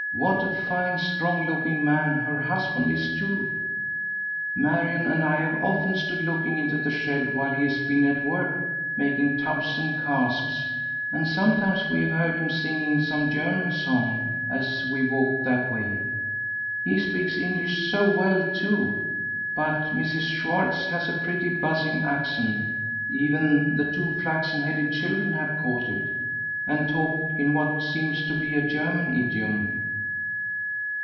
What a fine, strong looking man her husband is too! Marion and I have often stood looking into the shed while he has been at work making tubs and casks, and sometimes we have heard him singing some German song as we walked that way. He speaks English so well too; but Mrs. Schwartz has a pretty buzzing accent, even the two flaxen headed children have caught it, and talk in what seems to be a German idiom."